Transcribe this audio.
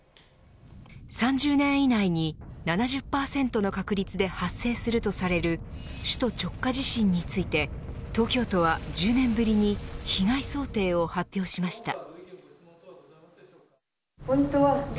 ３０年以内に７０％の確率で発生するとされる首都直下地震について東京都は１０年ぶりに被害想定を発表しました。